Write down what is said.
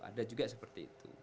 ada juga seperti itu